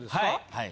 はい。